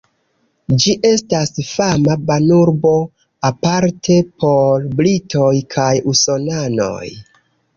Ĝi estas fama banurbo, aparte por britoj kaj usonanoj.